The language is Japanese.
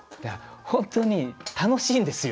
本当に楽しいんですよ。